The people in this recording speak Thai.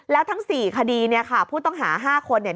แล้วทั้ง๔คดีเนี่ยค่ะผู้ต้องหา๕คนเนี่ย